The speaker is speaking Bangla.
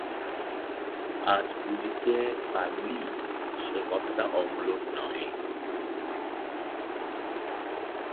আজ বুঝিতে পারিল, সে কথাটা অমূলক নহে।